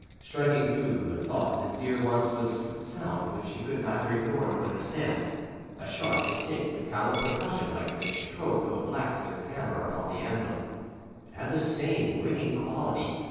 Striking through the thought of his dear ones was a sound which he could neither ignore nor understand, a sharp, distinct, metallic percussion like the stroke of a blacksmith's hammer upon the anvil; it had the same ringing quality.